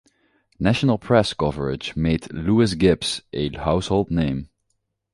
National press coverage made Lois Gibbs a household name.